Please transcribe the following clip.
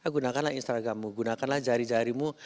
gunakanlah instagrammu gunakanlah jari jarimu